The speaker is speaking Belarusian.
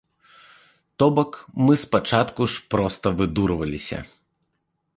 То бок спачатку мы ж проста выдурваліся.